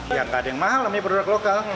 ya nggak ada yang mahal namanya produk lokal